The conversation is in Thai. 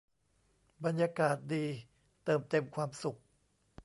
บรรยากาศดีเติมเต็มความสุข